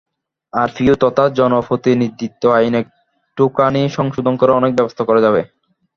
RPO তথা জনপ্রতিনিধিত্ব আইন একটুখানি সংশোধন করে অনেক ব্যবস্থা করা যাবে।